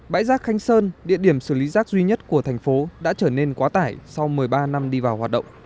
bãi rác khanh sơn địa điểm xử lý rác duy nhất của thành phố đã trở nên quá tải sau một mươi ba năm đi vào hoạt động